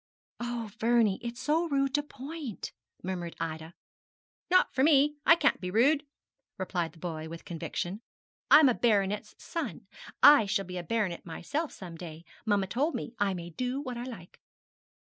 'Oh, Vernie, it's so rude to point,' murmured Ida. 'Not for me; I can't be rude,' replied the boy, with conviction. 'I'm a baronet's son. I shall be a baronet myself some day. Mamma told me. I may do what I like.'